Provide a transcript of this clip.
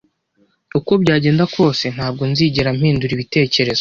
uko byagenda kose, ntabwo nzigera mpindura ibitekerezo.